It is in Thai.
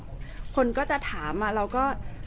แต่ว่าสามีด้วยคือเราอยู่บ้านเดิมแต่ว่าสามีด้วยคือเราอยู่บ้านเดิม